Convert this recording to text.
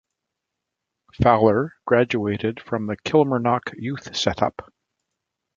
Fowler graduated from the Kilmarnock youth setup.